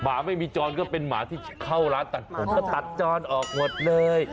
หมาไม่มีจรก็เป็นหมาที่เข้าร้านตัดผมก็ตัดจรออกหมดเลย